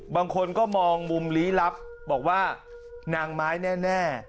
บางคนก็มองมุมลี้ลับบอกว่านางไม้แน่